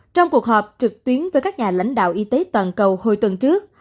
trong cuộc họp trực tuyến với các nhà lãnh đạo y tế toàn cầu hồi tuần trước